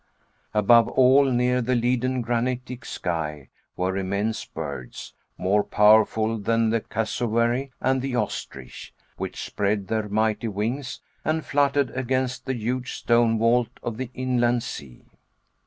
Above all, near the leaden granitic sky, were immense birds, more powerful than the cassowary and the ostrich, which spread their mighty wings and fluttered against the huge stone vault of the inland sea.